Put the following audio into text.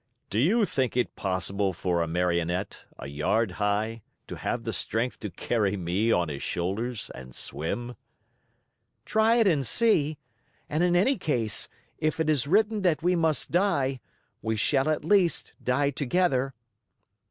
"Do you think it possible for a Marionette, a yard high, to have the strength to carry me on his shoulders and swim?" "Try it and see! And in any case, if it is written that we must die, we shall at least die together."